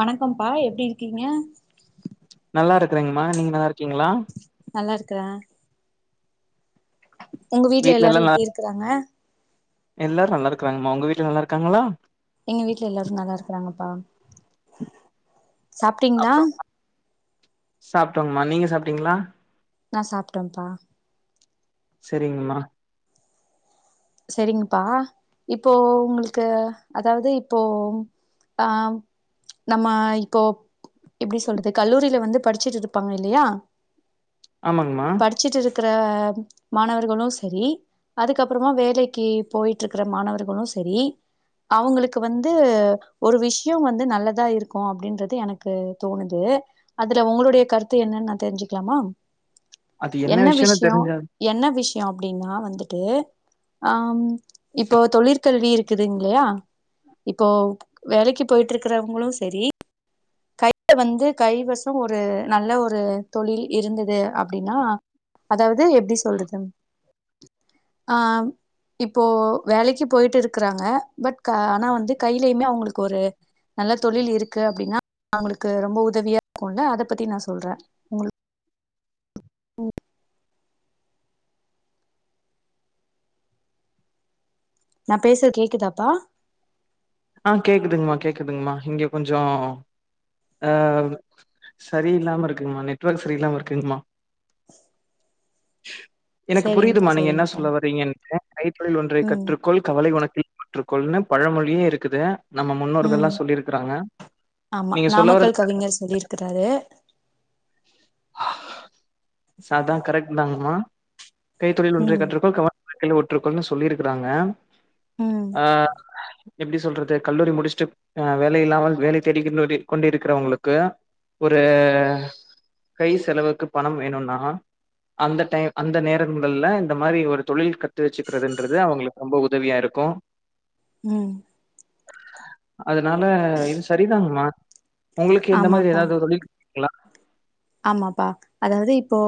வணக்கம்பா எப்படி இருக்கீங்க நல்லாருக்கறேங்ம்மா நீங்க நல்லா கிங்களா நல்லா இருக்கிற உங்க வீட்டுல வீட்ல எல்லா எல்லாரு எப்டி நல்லா இருக்கிறாங்க. எல்லாரு நல்லாருக்கறாங்கம்மா உங்க வீட்ல நல்லாருக்காங்களா எங்க வீட்ல எல்லாரு நல்லாருக்கறாங்கப்பா சாப்ட்டீங்ளா டோங்மா நீங்க சாப்டீங்களா நா சாப்ட்டம்பா செரிங்ம்மா செரிங்கப்பா இப்போ உங்குளுக்கு அதாவுது இப்போ ஆ நம்ம இப்போ எப்டி சொல்றது கல்லூரில வந்து படிச்சுட்டு இருப்பாங்க இல்லையா ஆமாங்கமா ருக்கிற மாணவர்களு செரி அதுக்கப்றமா வே வேலக்கி போயிட்டு இருகுற மாணவர்களு சரி அவங்களுக்கு வந்து ஒரு விஷயம் வந்து நல்லதா இருக்கூ அப்டின்றது எனக்கு தோணுது அதுல உங்களுடைய கருத்து என்னானு நா தெரிஞ்சுக்லாமா அது என்ன விஷயம்னு விஷ்யோ தெரிஞ்சா என்ன விஷ் யா அப்டின்னா வந்துட்டு ஆம் இப்போ தொழிற்கல்வி இருக் க்குதுங்லையா இப்போ வேலைக்கி போயிட்டுருக்கறவங்களு சரி கையில வந்து கைவசோ ஒரு நல்ல ஒரு தொழில் இருந்துது அப்டினா அதாவ்து எப்டி சொல்றது ஆ இப்போ வேலைக்கி போயிட்டு இருக்கறாங்க பட் ஆனா வந்து கையிலயுமே அவுங்களுக்கு ஒரு நல்ல தொழில் இருக்கு அப்டின்னா அவுங்களுக்கு ரொம்ப உதவியா இருக்குல்ல அத பத்தி நா சொல்ற உங்களுக் ம் நா பேசறது கேக்குதாப்பா ஆ கேக்குதுங்மா கேக்குதுங்மா இங்கே கொஞ்சோ அ சரி இல்லாம இருக்குங்மா நெட்வொர்க் சரியில்லாம இருக்குங்மா [inaudible] [inaudible] எனக்கு சரிங்கப்பா, புரியுதுமா நீங்க என்ன சரிங்கப்பா. சொல்ல வரீங்கனு கைத்தொழில் ஒன்றைக் ம், கற்றுக்கொள் கவலை உனக்கு [unintelligible] ஒற்றுக்கொள்னு பழமொழியேருக்கு க்குதே ம் ஆமா நீங்க சொல்ல வரது நாமக்கல் கவிஞர் சொல்லிருக்குறாரு சா தா கரெக்ட் தாங்மா கைத்தொழில் ஒன்றை ம், கற்றுக்கொள் கவலை உனக்கில்லை ஒற்றுக்கொள்னு சொல்லிருக்கிறாங்க ம், ஆஹ் எப்படி சொல்றது கல்லூரி முடிச்சுட்டு அஹ் வேலை இல்லாமல் வேலை தேடி கொண்டு கொண்டு இருக்கிறவங்களுக்கு ஒரு கை செலவுக்கு பணம் வேணுன்னா அந்த டைம் அந்த நேரங்கள்ல இந்த மாரி ஒரு தொழில் கத்து வச்சுக்கிறதுன்றது அவங்களுக்கு ரொம்ப உதவியா இருக்கோ உம் அதனால இது சரிதாங்கம்மா உங்களுக்கு இந்த மாரி ஆமாப்பா. ஏதாவது தொழில் குலா ஆமாப்பா அதாவது இப்போ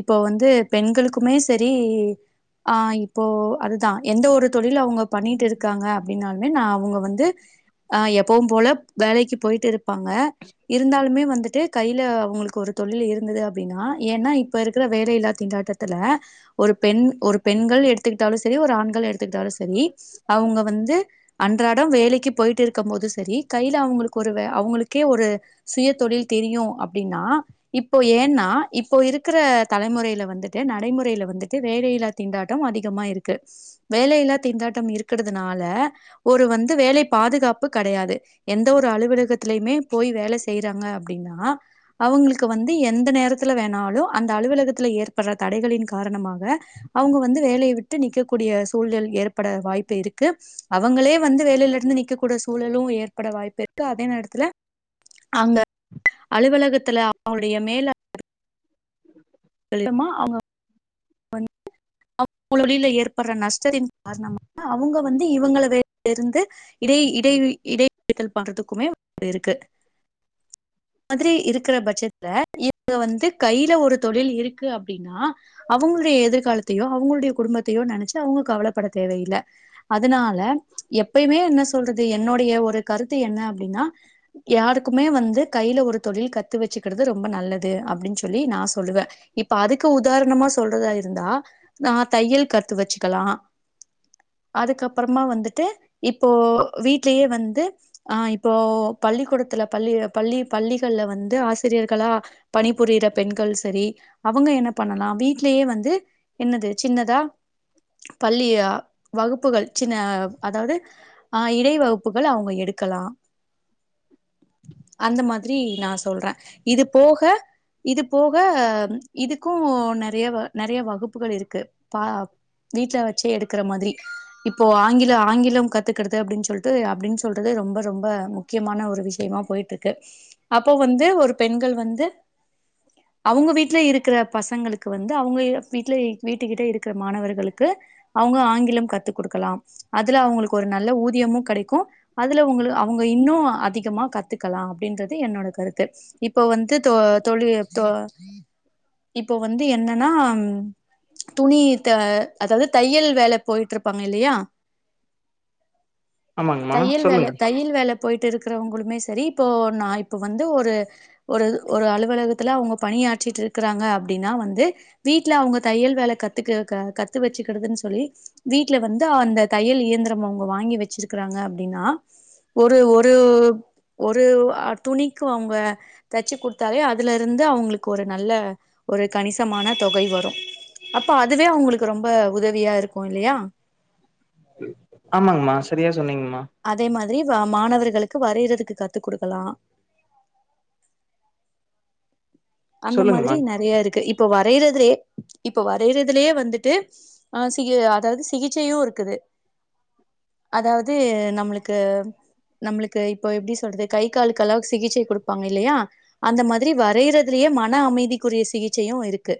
இப்போ வந்து பெண்களுக்குமே சரி ஆஹ் இப்போ அதுதா எந்த ஒரு தொழில் அவுங்க பண்ணிட்டு இருக்காங்க அப்படின்னாலுமே நான் அவுங்க வந்து ஆஹ் எப்பவும் போல வேலைக்கு போயிட்டு இருப்பாங்க இருந்தாலுமே வந்துட்டு கைல அவங்களுக்கு ஒரு தொழில் இருந்தது அப்படின்னா ஏன்னா இப்ப இருக்கிற வேலைையில்லா திண்டாட்டத்துல ஒரு பெண் ஒரு பெண்கள் எடுத்துக்கிட்டாலு சரி ஒரு ஆண்கள் எடுத்துக்கிட்டாலு சரி அவங்க வந்து அன்றாடம் வேலைக்கு போயிட்டு இருக்கும் போது சரி கைல அவங்களுக்கு ஒரு வே அவங்களுக்கே ஒரு சுய தொழில் தெரியு அப் அப்டின்னா இப்போ ஏன்னா இப்போ இருக்கிற தலைமுறையில வந்துட்டு நடைமுறையில வந்துட்டு வேலையில்லா திண்டாட்டம் அதிகமா இருக்கு வேலையில்லா திண்டாட்டம் இருக்கிறதுனால ஒரு வந்து வேலை பாதுகாப்பு கெடையாது எந்த ஒரு அலுவலகத்திலயுமே போய் வேலை செய்றாங்க அப்படின்னா அவங்களுக்கு வந்து எந்த நேரத்துல வேணாலு அந்த அலுவலகத்துல ஏற்படுற தடைகளின் காரணமாக அவங்க வந்து வேலையை விட்டு நிக்கக்கூடிய சூழல் ஏற்பட வாய்ப்பு இருக்கு அவங்களே வந்து வேலையில இருந்து நிக்கக்கூடிய சூழலும் ஏற்பட வாய்ப்பு இருக்கு அதே நேரத்துல அங்க அலுவலகத்துல அவங்களுடைய மேல [unintelligible] [unintelligible] தமா அவங்க [unintelligible] வந்து அவங்க தொழில்ல ஏற்படுற நஷ்டத்தின் காரணமா அவங்க வந்து இவங்கள [unintelligible] இருந்து இடை இடை இடைவதல் பண்றதுக்குமே [unintelligible] இருக்கு அ மாதிரி இருக்கிற பட்சத்துல இவங்க வந்து கையில ஒரு தொழில் இருக்கு அப்டின்னா அவங்களுடைய எதிர்காலத்தையோ அவங்களுடைய குடும்பத்தையோ நெனச்சு அவங்க கவல பட தேவையில்ல அதனால எப்பயுமே என்ன சொ சொல்றது என்னுடைய ஒரு கருத்து என்ன அப்டின்னா யாருக் க்குமே வந்து கைல ஒரு தொழில் கத்து வச்சுக்குறது ரொம்ப நல்லது அப்படின் சொல்லி நா சொல்லுவே இப்ப அதுக்கு உதாரணமா ஸ் த இருந்தா நான் த தையல் கத்து வச்சுக்கலா அதுக்கப்புறமா வந்துட்டு இப்போ வீட்லயே வந்து ஆ இப் இப்போ பள்ளிக்கூடத் துல பள்ளி பள்ளி பள்ளிகள்ல வந்து ஆசிரியர்களா பணிபுரியிற பெண்கள் சரி அவங்க என்ன பண்ணலா வீட் டுலயே வந்து என்னது சின்னதா பள்ளி வகுப்புகள் சின்ன அதாவது அ இடைவகுப்புகள் அவங்க எடுக்கலா அந்த மாதிரி நா சொல்றே இது போக இது போக இதுக்கூ ந நெறைய வ நெறைய வகுப்புகள் இருக்கு பா வீட்ல வச்சே எடுக் கிற மாதிரி இப்போ ஆங்கிலோ ஆங்கிலம் கத் கத்துக்கிறது அப்டின் சொல்ட்டு அப்டின் சொல்றது ரொம்ப ரொம்ப முக்கியமான ஒரு விஷயமா போயிட்ருக்கு அப்போ வந்து ஒரு பெண்கள் வந்து அவங்க வீட்டுல இருக்குற பசங்களுக் கு வந்து அவங்க வீட்ல வீட்டுகிட்ட இருக்கிற மாணவர்களுக்கு அவங்க ஆங்கிலம் கத்து குடுக்கலாம் அதுல அவங்களுக்கு ஒரு நல்ல ஊதியமு கெடைக்கு அதுல அவங்களுக் அவங்க இன்னும் அதிகமா கத் துக்கலா அப்டின்றது என்னோட கருத்து இப்ப வந்து தொ தொழில் தொ இப்போ வந்து என்னன்னா ம் துணி த அதாவது தையல் வேல போயிட்ருப்பாங்க இல்லையா ஆமாங்கம்மா தையல் வேல சொல்லுங்க தையல் வேல போயிட்டு இருக்கறவங்களுமே ஸ் சரி இப்போ நான் இப்ப வந்து ஒரு ஒரு ஒரு அலுவலகத்துல அவங்க பணியாற்றிட்ருக்கறாங்க அப் டின்னா வந்து வீட்டுல அவங்க தையல் வேலை கத்துக்க க கத்து வச்சுக்குறதுன் சொல்லி வீட்டுல வந்து அந்த தையல் இயந்திரம் அவங்க வாங்கி வெச்சிருக்குறாங்க அப்டின்னா ஒரு ஒரு ஒரு அ துணிக்கு அவங்க தச்சு குடுத்தாலே அதுல இருந்து அவங்களுக்கு ஒரு நல்ல ஒரு கணிசமான தொகை வரு அப்போ அதுவே அவங்களுக்கு ரொம்ப உதவியா இருக்கு இல்லையா? ஆமாங்ம்மா சரியா சொன்னீங்மா அதே மாதிரி வ மாணவர்களுக்கு வரையறதுக்கு கத்து குடுக்கலா அந்த மாதிரி சொல்லுங்கம்மா நறையா இருக்கு இப்ப வரைறதுலே இப்ப வரையறதுலையே வந்துட்டு ஆ சிக அதாது சிகிச்சையு இருக்குது அதாவுது நம்ளுக்கு நம்ளுக்கு இப்போ எப்டி சொல்றது கை காலுக்கு அளவுக்கு சிகிச்சை குடுப்பாங்க இல்லையா அந்த மாதிரி வரையறது துலயே மன அமைதிக்குரிய சிகிச்சையு இருக்கு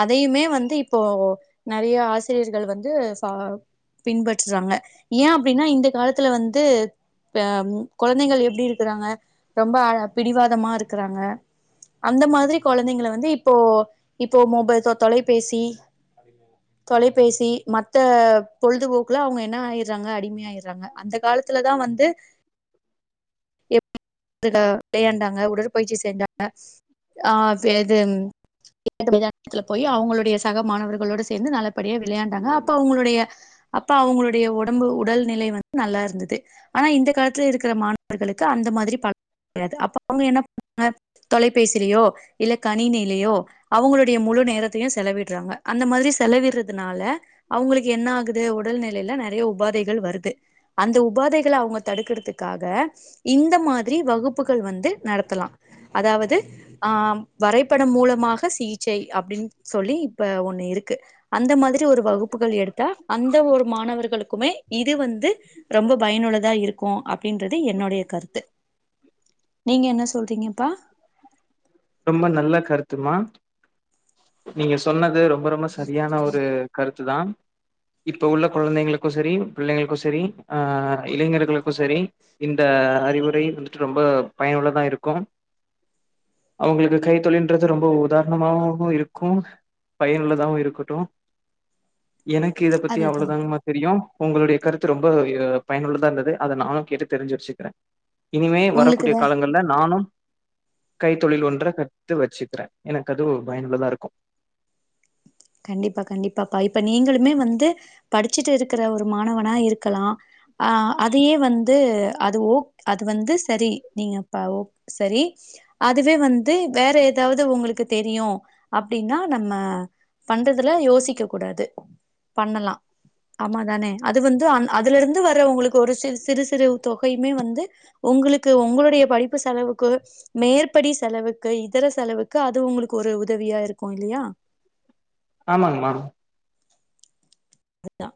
அதையுமே வந்து இப்போ நறையா ஆசிரியர்கள் வந்து ஃபா பின்பற்றாங்க ஏன் அப்டின்னா இந்த காலத்துல வந்து அ ம் கொழந்தைகள் எப்டி இருக்குறாங்க ரொம்ப அ பிடிவாதமா இருக்குறாங்க அந்த மாதிரி கொழந்தைங்கள வந்து இப்போ இப்போ மொபைல் தொ தொலைபேசி தொலைபேசி மத்த பொழுதுபோக்குல அவங்க என்ன ஆய்டுறாங்க அடிமை ஆய்றாங்க அந்த காலத்துல தா வந்து [unintelligible] விளையாண்டாங்க உடற்பயிற்சி செஞ்சாங்க ஆ வே இது விளையாட்டு மைதானத்துல போயி அவங்களுடைய சக மாணவர்களோடு சேந்து நல்லபடியா விளையாண்டாங்க அப்ப அவங்களுடைய அப்ப அவங்களுடைய உடம்பு உடல் நிலை வந்து நல்லா இருந்தது ஆனா இந்த காலத்துல இருக்கிற மாணவர்களுக்கு அந்த மாதிரி பலன் கெடையாது அப்ப அவங்க என்ன பண்ணாங்க தொலை பேசுலியோ இல்ல கணினிலியோ அவங்களுடைய முழு நேரத்தையு செலவிடுறாங்க அந்த மாதிரி செலவிடுறதுனால அவங்களுக்கு என்ன ஆகுது உடல்நிலையில நெறைய உபாதைகள் வருது அந்த உபாதைகள அவங்க தடுக்குறதுக்கு க்காக இந்த மாதிரி வகுப் குப்புகள் வந்து நடத்தலா அதாவுது ஆ வரைபடம் மூலமாக சிகிச்சை அப்டின்னு சொல்லி இப்ப ஒண்ணு இருக்கு அந்த மாதிரி ஒரு வகுப்புகள் எடுத்தா அந்த ஒரு மாணவர்களுக்குமே இது வந்து ரொம்ப பயனுள்ளதா இருக்கு அப் அப்டின்றது என்னுடைய கருத்து நீங்க என்ன சொல்றீங்கப்பா ரொம்ப நல்ல கருத்துமா நீங்க சொன்னது ரொம் ரொம்ப ரொம்ப சரியான ஒரு கருத்து தான் இப்ப உள்ள கொழந்தைங்களுக்கு சரி பிள்ளைங்களுக்கு சரி அஹ் இளைஞர்களுக்கு சரி இந்த அறிவுரை வந்துட்டு ரொம்ப பயனுள்ளதா இருக்கு அவங்ளுக்கு கை தொழின்றது ரொம்ப உதாரணமாகவு இருக்கு பயனுள்ளதாவு இருக்கட்டு எனக்கு இத பத்தி அவ்ளோ அதுதான்ப்பா தாங்மா தெரியும் உங்களுடைய கருத்து ரொம்ப பயனுள்ளதா இருந்தது அத நானும் கேட்டு தெரிஞ்சு வச்சிகிற இனிமே உங்களுக்கு வரக்கூடிய காலங்கள்ல நானு கை கை தொழில் ஒன்ற கத்து வச்சுகிறன் எனக்கு அது பயனுள்ளதா இருக்கு கண்டிப்பா கண்டிப்பா பா இப்ப நீங்களுமே வந்து படிசுட்டு இருக்குற ஒரு மாணவனா இருக்கலா அஹ் அதையே வந்து அது ஓ அது வந்து சரி நீங்கப்பஓ சரி அதுவே வந்து வேற எதாவுது உங்ளுக்கு தெரியு அப்டின்னா நம்ம பண்றதுல யோசிக்க கூடாது பண்ணலா ஆமா தான அது வந்து அந் அதுல இருந்து வறவங்களுக்கு ஒரு சிறு சிறு சிறு தொகையுமே வந்து உங்ளுக்கு உங்களுடைய படிப்பு செலவுக்கு மேற்படி செலவுக்கு இதர செலவுக்கு அது உங்ளுக்கு ஒரு உதவியா இருக்கு இல்லையா ஆமாங்மா அதுதா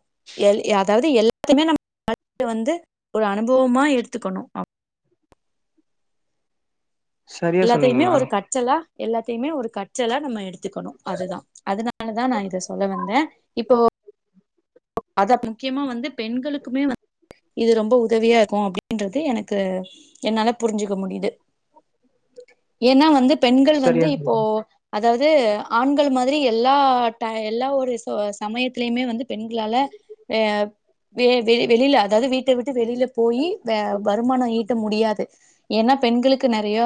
எ அதாவுது எல்லாத்தையுமே நம்ம வந்து ஒரு அனுபவமா எடுத்துகணு சரியா எல்லாத்தையுமே சொன்னீங்கம்மா ஒரு கற்றலா எல்லாத்தையுமே ஒரு கற்றலா நம்ம எடுத்துகணு அதுதா அதனாலதா நா இத சொல்ல வந்தன் இப்போ அத முக்கியமா வந்து பெண்களுக்குமே வந்து இது ரொம்ப உதவியா இருக்கு அப்டின்றது எனக்கு என்னால புரிஞ்சிக்க முடியுது ஏன்னா வந்து பெண்கள் வந்து சரியா இப்போ சொன்னீங்க. அதாவுது ஆண்கள் மாதிரி எல்லா எல்லா ஒரு சமயத்துலையுமே வந்து பெண்களால வெ வெளியில அதாவுது வீட்ட விட்டு வெளில போயி வே வருமானம் ஈட்ட முடியாது ஏன்னா பெண்களுக்கு நெறைய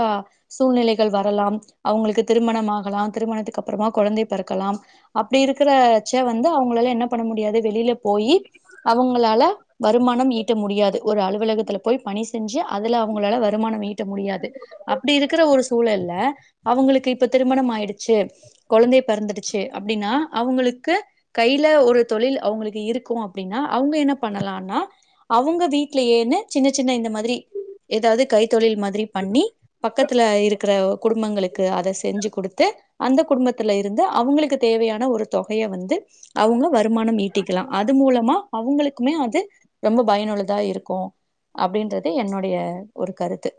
சூழ்நிலைகள் வரலாம் அவங்களுக்கு திருமணம் ஆகலா திருமணத்துக்கு அப்பறமா கொழந்தை பிறக்கலாம் அப்டி இருக்கிறச்ச வந்து அவங்களால என்ன பண்ண முடியாது வெளில போயி அவங்களால வருமானம் ஈட்ட முடியாது ஒரு அலுவலகத்துல போய் பணி செஞ்சு அதுல அவங்களால வருமானம் ஈட்ட முடியாது அப்டி இருக்கிற ஒரு சூழல்ல அவங்ளுக்கு இப்ப திருமணம் ஆயிடுச்சு கொழந்தையே பிறந்துடுச்சு அப்டின்னா அவங்ளுக்கு கையில ஒரு தொழில் அவங்ளுக்கு இருக்கு அப்டின்னா அவங்க என்ன பண்ணலனா அவங்க வீட்லையே ஏன்னு சின்ன சின்ன இந்த மாதிரி ஏதாவுது கைத்தொழில் மாதிரி பண்ணி பக்கத்துல இருக்குற குடும்பங்களுக்கு அத செஞ்சு குடுத்து அந்த குடும்பத்துல இருந்து அவங்ளுக்கு தேவையான ஒரு தொகைய வந்து அவங்க வருமானம் ஈ கட்டிக்கலா அது மூலமா அவங்களுக்குமே அது ரொம்ப பயனுள்ளதா இருக்கு அப்டின்றது என்னுடைய ஒரு கருத்து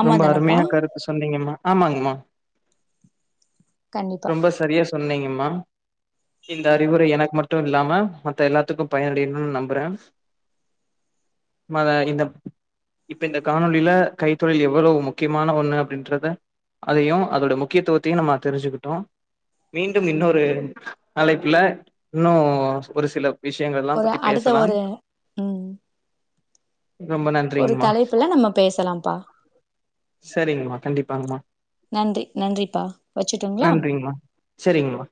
ஆமா ரொம்ப தானப்பா அருமையா கருத்து சொன்னீங்கமா ஆமாங்கமா கண்டிப்பா ரொம்ப சரியா சொன்னீங்கம்மா இந்த அறிவுரை எனக்கு மட்டு ல்லாம மத்த எல்லாத்துக்கு பயனடையணு நம்புற [unintelligible] த இந்த இப்ப இந்த காணொலியில கைத்தொழில் எவளோ முக்கியமான ஒண்ணு அப்படின்றத அதையு அதோட முக்கியத்துவத்தையு நம்ம தெரிஞ்சுக்ட் டு மீண்டும் இன்னொரு அழைப்புல இன்னு ஒரு சில விஷயங்கள்லா ஒரு பத்தி அடுத்த பேசலாம் ஒரு ம் ரொம்ப ஒரு நன்றிங்கமா தலைப்புல நம்ம பேசலாம்பா சரிங்கமா கண்டிப்பாங்கமா நன்றி நன்றிபா வச்சுட் நன்றிங்மா சரிங்மா